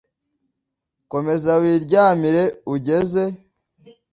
Komeza wiryamire ugeze